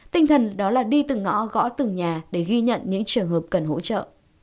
tinh thần đó là đi từng ngõ gõ từng nhà để ghi nhận những trường hợp cần hỗ trợ